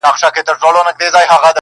په تعظيم ورته قاضي او وزيران سول،